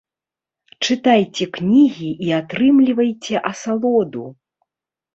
Чытайце кнігі і атрымлівайце асалоду!